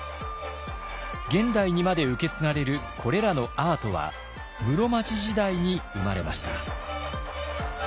現代にまで受け継がれるこれらのアートは室町時代に生まれました。